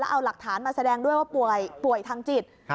เอาหลักฐานมาแสดงด้วยว่าป่วยทางจิต